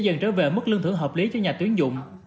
sẽ dần trở về mức lương thưởng hợp lý cho nhà tuyển dụng